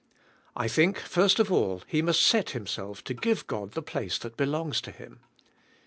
I think, first of all, he must set himself to give God the place that belongs to Him.